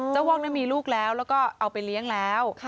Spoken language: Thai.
ว่องนั้นมีลูกแล้วแล้วก็เอาไปเลี้ยงแล้ว